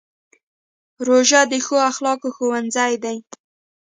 روژه د ښو اخلاقو ښوونځی دی.